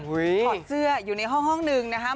ถอดเสื้ออยู่ในห้องหนึ่งนะคะ